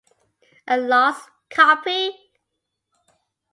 A Lost Copy?